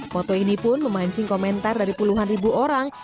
foto ini pun memancing komentar dari puluhan ribu orang